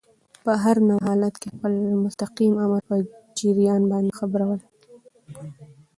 په هر نوع حالت کي خپل مستقیم آمر په جریان باندي خبرول.